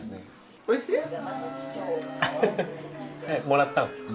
もらったの？